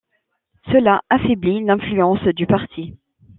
Cela affaiblit l'influence du parti.